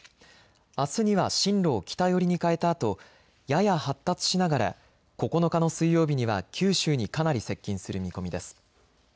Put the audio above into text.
あすには進路を北寄りに変えたあと、やや発達しながら９日の水曜日には九州にかなり接近する見込みです。